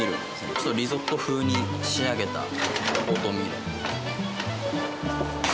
ちょっとリゾット風に仕上げたオートミール。